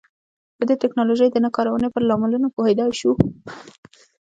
د دې ټکنالوژۍ د نه کارونې پر لاملونو پوهېدای شو.